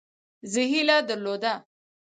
زه هیله درلوده.